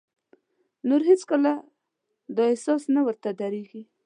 نور هېڅ کله دا احساس نه ورته درېږي.